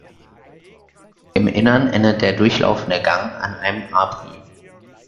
Im Innern endet der durchlaufende Gang an einem Abri.